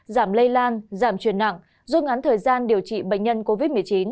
giảm lây lan giảm truyền nặng rút ngắn thời gian điều trị bệnh nhân covid một mươi chín